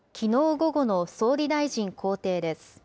午後の総理大臣公邸です。